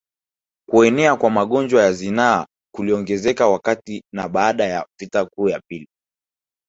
Kuenea kwa magonjwa ya zinaa kuliongezeka wakati na baada ya vita vikuu vya pili